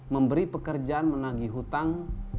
memberi pekerjaan menagih hutang